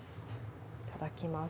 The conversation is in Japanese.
いただきます。